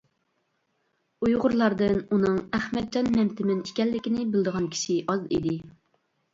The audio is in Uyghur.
ئۇيغۇرلاردىن ئۇنىڭ ئەخمەتجان مەمتىمىن ئىكەنلىكىنى بىلىدىغان كىشى ئاز ئىدى.